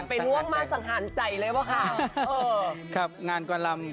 โปรดติดตามต่อไป